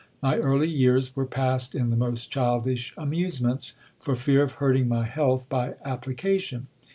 My early years were passed in the most childish amusements, for fear of hurting my health by application.